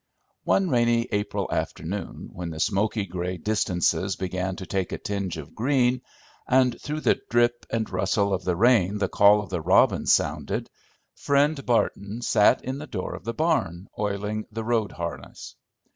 One rainy April afternoon, when the smoky gray distances began to take a tinge of green, and through the drip and rustle of the rain the call of the robins sounded, Friend Barton sat in the door of the barn, oiling the road harness.